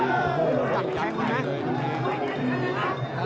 ดับแขกดูนะ